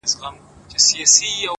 په سپورږمۍ كي زمــــا پــيــــر دى؛